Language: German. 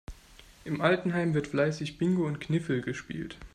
Im Altenheim wird fleißig Bingo und Kniffel gespielt.